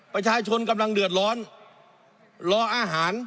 ประชาชนกำลังเดือดร้อนรออาหาร